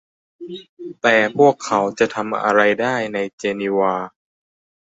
แต่พวกเขาจะทำอะไรได้ในเจนีวา